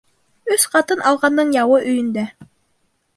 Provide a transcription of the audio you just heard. Өс ҡатын алғандың яуы өйөндә.